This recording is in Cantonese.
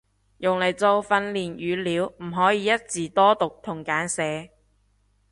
用嚟做訓練語料唔可以有一字多讀同簡寫